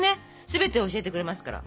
全てを教えてくれますから。